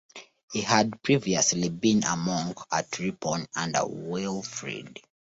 He had previously been a monk at Ripon under Wilfrid.